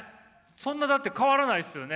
そんなだって変わらないですよね。